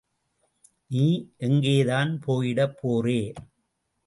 நீ எங்கேதான் போயிடப் போறே.